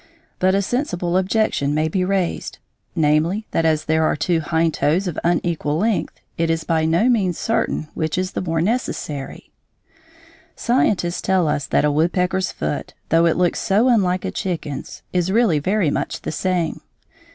But a sensible objection may be raised, namely, that as there are two hind toes of unequal length, it is by no means certain which is the more necessary. [Illustration: Diagram of right foot.] Scientists tell us that a woodpecker's foot, though it looks so unlike a chicken's, is really very much the same.